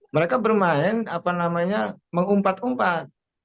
mereka bermain apa namanya mengumpat umpat